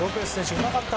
うまかった。